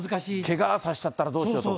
けがさせちゃったらどうしようとか。